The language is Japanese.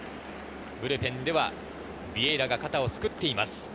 ブルペンではビエイラが肩をつくっています。